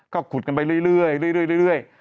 ก็ขุดกันไปเรื่อย